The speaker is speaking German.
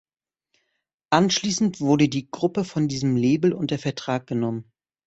Anschließend wurde die Gruppe von diesem Label unter Vertrag genommen.